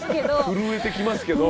震えてきますけど。